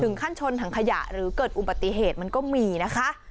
ขั้นชนถังขยะหรือเกิดอุบัติเหตุมันก็มีนะคะ